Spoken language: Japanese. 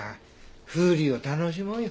風流を楽しもうよ。